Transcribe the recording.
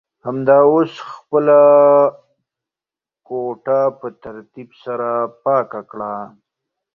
همدا اوس خپله کوټه په ترتیب سره پاکه کړه.